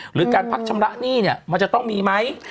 หรือการพักชำระหนี้เนี่ยมันจะต้องมีไหม